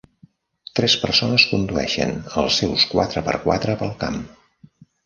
Tres persones condueixen els seus quatre per quatre pel camp.